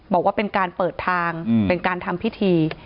บอกว่าเป็นการเปิดทางเป็นการทำพิธี